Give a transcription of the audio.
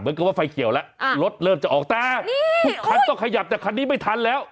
กับว่าไฟเขียวแล้วรถเริ่มจะออกแต่ทุกคันต้องขยับแต่คันนี้ไม่ทันแล้ว